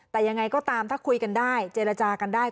แต่ยังไงก็ตามถ้าคุยกันได้เจรจากันได้